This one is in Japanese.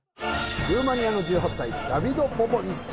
ルーマニアの１８歳ダビド・ポポビッチ